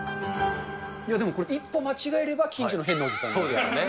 いや、でもこれ、一歩間違えれば近所の変なおじさんですよね。